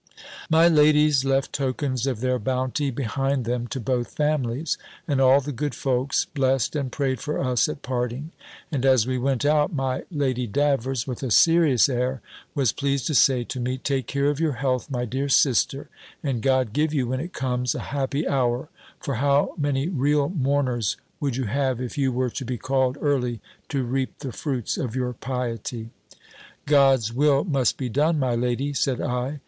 My ladies left tokens of their bounty behind them to both families, and all the good folks blessed and prayed for us at parting: and as we went out, my Lady Davers, with a serious air, was pleased to say to me, "Take care of your health, my dear sister; and God give you, when it comes, a happy hour: for how many real mourners would you have, if you were to be called early to reap the fruits of your piety!" "God's will must be done, my lady," said I.